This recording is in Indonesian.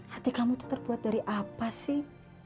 hati kamu itu terbuat dari apa sih